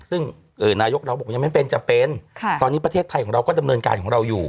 ซึ่งนายกเราก็บอกว่ายังไม่เป็นจะเป็นตอนนี้ประเทศไทยของเราก็ดำเนินการของเราอยู่